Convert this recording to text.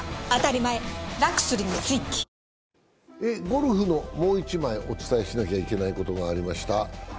ゴルフのもう１枚、お伝えしなきゃいけないことがありました。